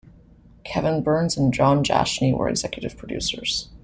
Kevin Burns and Jon Jashni were executive producers.